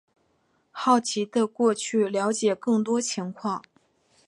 好奇的过去了解更多情况